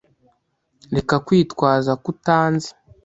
Reka kwitwaza ko utanzi.